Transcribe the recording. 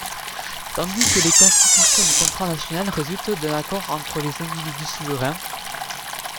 Tandis que les constitutions du contrat national résulte d'un accord entre les individus souverains.